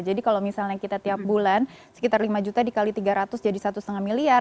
jadi kalau misalnya kita tiap bulan sekitar lima juta dikali tiga ratus jadi satu lima miliar